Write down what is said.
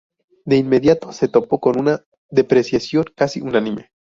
De inmediato se topó con una ""depreciación casi unánime"".